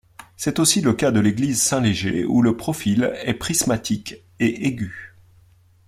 C'est aussi le cas de l'église Saint-Léger, où le profil est prismatique et aigu.